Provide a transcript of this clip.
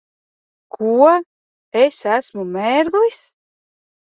Ko? Es esmu mērglis?